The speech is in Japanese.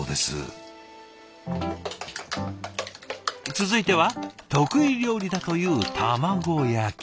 続いては得意料理だという卵焼き。